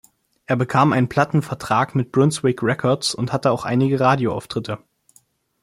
Er bekam einen Plattenvertrag mit Brunswick Records und hatte auch einige Radioauftritte.